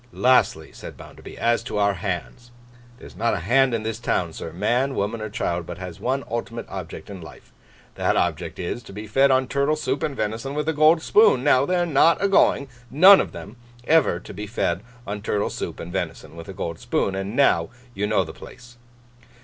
'Lastly,' said Bounderby, 'as to our Hands. There's not a Hand in this town, sir, man, woman, or child, but has one ultimate object in life. That object is, to be fed on turtle soup and venison with a gold spoon. Now, they're not a going—none of 'em—ever to be fed on turtle soup and venison with a gold spoon. And now you know the place.